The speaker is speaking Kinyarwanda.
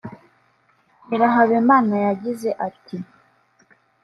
Nyirahabimana yagize ati